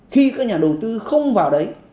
khi các nhà đầu tư không vào đấy